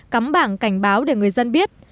cắm bảng cảnh báo để người dân biết